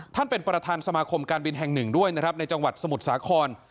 ท่านเป็นประทานสมาคมการบินแห่ง๑ด้วยนะครับในจังหวัดสมุทรสาขรณ์